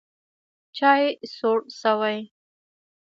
چای سوړ شوی